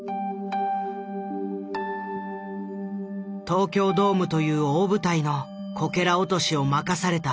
東京ドームという大舞台のこけら落としを任された誇り。